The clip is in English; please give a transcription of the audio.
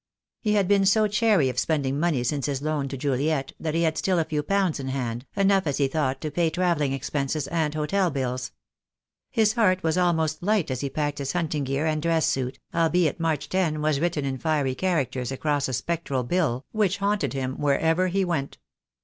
He had been so chary of spending money since his loan to Juliet that he had still a few pounds in hand, enough as he thought to pay travelling expenses and hotel bills. His heart was almost light as he packed his hunting gear and dress suit, albeit 8 THE DAY WILL COME. March 10 was written in fiery characters across a spectral bill which haunted him wherever he went.